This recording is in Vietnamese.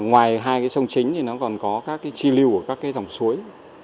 ngoài hai sông chính thì nó còn có chi lưu của các dòng suối